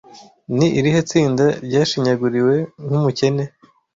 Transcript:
Ni irihe tsinda ryashinyaguriwe nkumukene